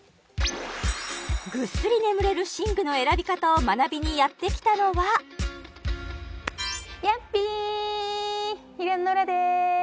ぐっすり眠れる寝具の選び方を学びにやって来たのはやっぴー平野ノラでーす